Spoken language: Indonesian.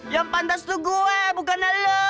yang pantas itu gue bukan allah